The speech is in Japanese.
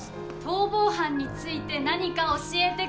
逃亡犯について何か教えて下さい。